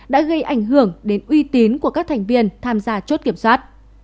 đã gây ảnh hưởng đến uy tín của các thành viên tham gia chốt kiểm soát